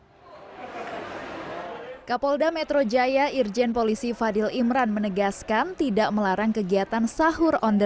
hai kapolda metro jaya irjen polisi fadil imran menegaskan tidak melarang kegiatan sahur on the